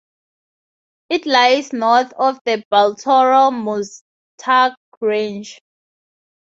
It lies north of the Baltoro Muztagh range.